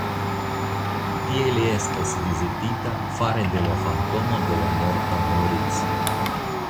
Tie li estas vizitita fare de la fantomo de la morta Moritz.